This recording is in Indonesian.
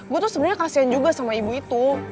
gue tuh sebenarnya kasian juga sama ibu itu